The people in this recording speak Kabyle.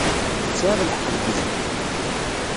Tesεiḍ lḥeqq deg uzgen.